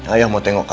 ayah mau tengok kakak